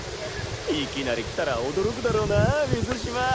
いきなり来たら驚くだろうな水嶋！